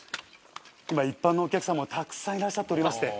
今一般のお客様もたくさんいらっしゃっておりまして。